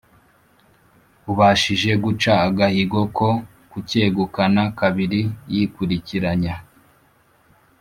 ubashije guca agahigo ko kucyegukana kabiri yikurikiranya.